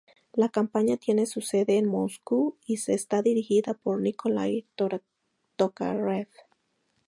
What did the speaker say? La compañía tiene su sede en Moscú y está dirigida por Nikolay Tokarev.